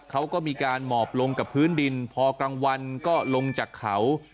เขาก็มีการหมอบลงกับพื้นดินพอกลางวันก็ลงจากเขา